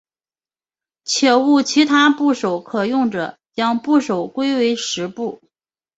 且无其他部首可用者将部首归为石部。